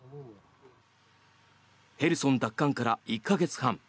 ヘルソン奪還から１か月半。